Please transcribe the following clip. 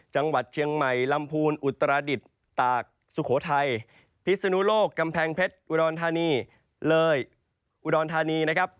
จังหวัดเชียงใหม่ลำพูนอุตราดิษฐ์ตากสุโขทัยพิศนุโลกกำแพงเพชรอุดรธานีเลยอุดรธานีนะครับ